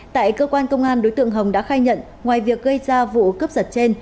tại cơ quan công an đối tượng hồng đã khai nhận ngoài việc gây ra vụ cướp giật trên